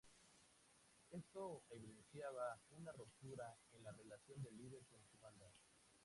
Esto evidenciaba una ruptura en la relación del líder con su banda.